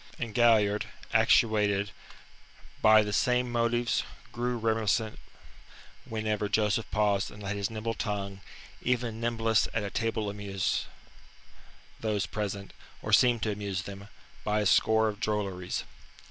And Galliard actuated by the same motives grew reminiscent whenever Joseph paused and let his nimble tongue even nimblest at a table amuse those present, or seem to amuse them, by a score of drolleries.